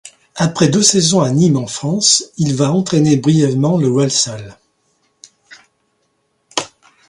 Après deux saisons à Nîmes en France, il va entraîner brièvement le Walsall.